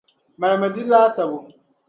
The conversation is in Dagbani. Malimi di laasabu.